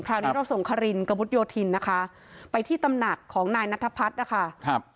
คราวนี้เราส่งครินกบุธโยธินนะคะไปที่ตำหนักของนายณนะค่ะครับ